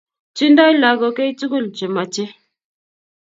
tindoi lagok keitukul che machee